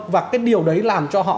và cái điều đấy làm cho họ